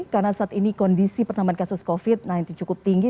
karena saat ini kondisi pertambahan kasus covid sembilan belas cukup tinggi